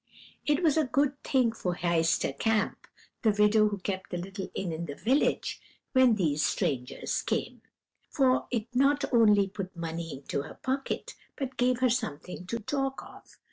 It was a good thing for Heister Kamp, the widow who kept the little inn in the village, when these strangers came, for it not only put money into her pocket, but gave her something to talk of.